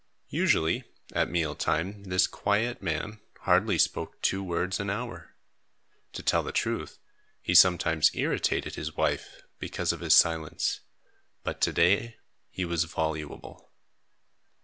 Usually, at meal time, this quiet man hardly spoke two words an hour. To tell the truth, he sometimes irritated his wife because of his silence, but to day he was voluble.